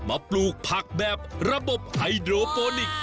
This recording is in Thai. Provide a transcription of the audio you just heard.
มาปลูกผักแบบระบบไฮโดร์โฟนิค